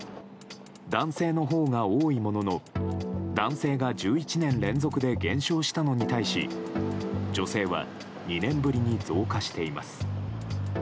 男性のほうが多いものの男性が１１年連続で減少したのに対し女性は２年ぶりに増加しています。